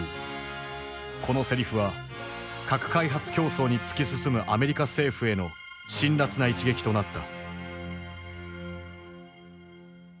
このセリフは核開発競争に突き進むアメリカ政府への辛辣な一撃となった。